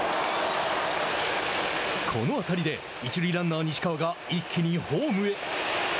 この当たりで一塁ランナー西川が一気にホームへ。